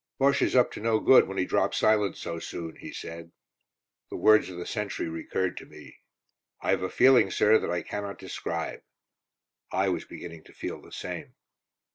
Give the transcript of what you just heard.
"Bosche is up to no good when he drops silent so soon," he said. The words of the sentry recurred to me. "I've a feeling, sir, that I cannot describe." I was beginning to feel the same.